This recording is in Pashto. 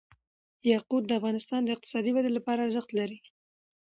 یاقوت د افغانستان د اقتصادي ودې لپاره ارزښت لري.